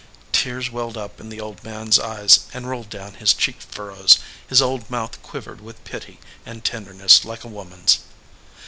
Tears welled up in the old man s eyes and rolled down his cheek fur rows ; his old mouth quivered with pity and tender ness like a woman s.